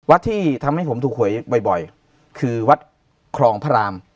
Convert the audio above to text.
ที่ทำให้ผมถูกหวยบ่อยคือวัดคลองพระราม